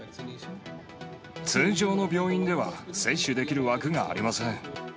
通常の病院では接種できる枠がありません。